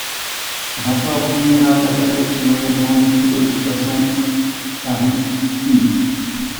=Rapport au Général La Fayette sur l'enlèvement des poudres de Soissons.= Paris, Impr.